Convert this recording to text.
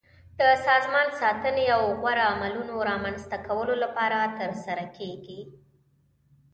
د سازمان ساتنې او غوره عملونو رامنځته کولو لپاره ترسره کیږي.